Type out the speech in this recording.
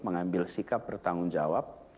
mengambil sikap bertanggung jawab